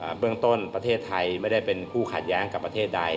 เบื้องต้นประเทศไทยไม่ได้เป็นผู้ขัดแย้งกับประเทศใด